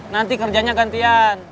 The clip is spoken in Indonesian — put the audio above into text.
nanti kerjanya gantian